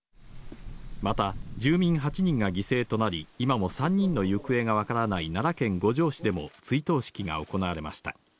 また、住民８人が犠牲となり、今も３人の行方が分からない奈良県五條市でも追悼式が行われました。